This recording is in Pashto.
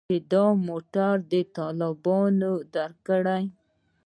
چې دا موټر طالبانو درکړى.